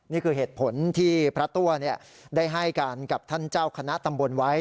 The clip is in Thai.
นี่คือเหตุผลที่พระตัวได้ให้การกับท่านเจ้าคณะตำบลไว้